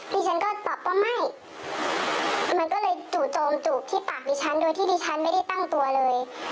ดิฉันก็ตอบว่าไม่มันก็เลยจู่โจงจูบที่ปากดิฉันโดยที่ดิฉันไม่ได้ตั้งตัวเลย